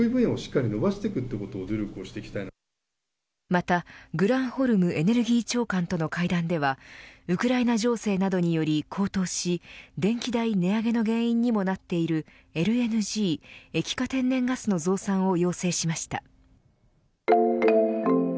またグランホルムエネルギー長官との会談ではウクライナ情勢などに高騰し電気代値上げの原因にもなっているＬＮＧ、液化天然ガスの増産を要請しました。